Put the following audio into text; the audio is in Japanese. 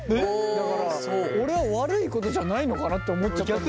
だから俺は悪いことじゃないのかなって思っちゃったんだよ。